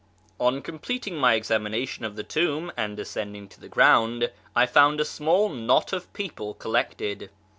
On completing my examination of the tomb and descending to the ground, I found a small knot of people collected.